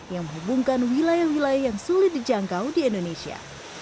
yang menghubungkan wilayah wilayah yang sulit dijangkau di indonesia